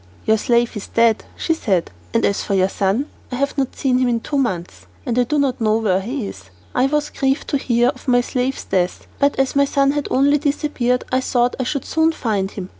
"Your slave is dead," she said, "and as for your son, I have not seen him for two months, and I do not know where he is." I was grieved to hear of my slave's death, but as my son had only disappeared, I thought I should soon find him.